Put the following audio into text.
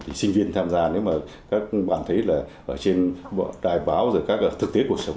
thì sinh viên tham gia nếu mà các bạn thấy là ở trên đài báo rồi các thực tế cuộc sống